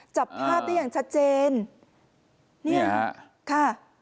จับภาพได้อย่างชัดเจนเนี่ยค่ะ